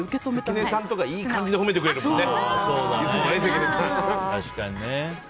関根さんとかいい感じに褒めてくれるもんね。